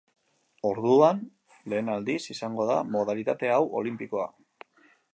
Orduan, lehen aldiz, izango da modalitate hau olinpikoa.